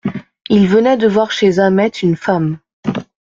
Il venait de voir chez Zamet une femme.